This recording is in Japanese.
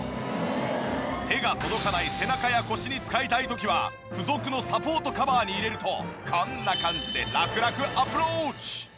手が届かない背中や腰に使いたい時は付属のサポートカバーに入れるとこんな感じでああホンマ